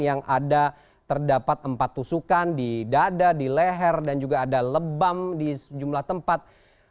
yang ada terdapat empat tusukan di dada di leher dan juga ada lebam di sejumlah tempat